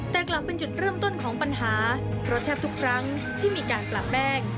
แต่กลับเป็นจุดเริ่มต้นของปัญหารถแทบทุกครั้งที่มีการปรับแป้ง